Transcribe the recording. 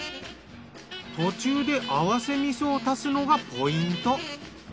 途中で合わせ味噌を足すのがポイント。